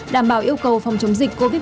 đảm bảo yêu cầu phòng chống dịch covid một mươi